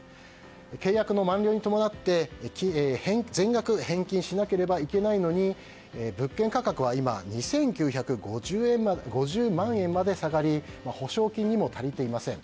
契約の満了に伴って全額返金しなければいけないのに物件価格は今２９５０万円まで下がり保証金にも足りていません。